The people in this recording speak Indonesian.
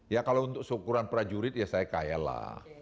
ya kalau untuk syukuran prajurit ya saya kaya lah